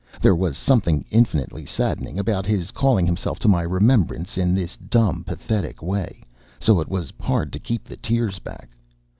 There was something infinitely saddening about his calling himself to my remembrance in this dumb pathetic way, so it was hard to keep the tears back.